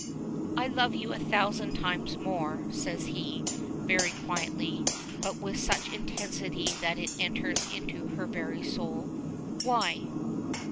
"I love you a thousand times more," says he, very quietly, but with such intensity that it enters into her very soul. "Why?"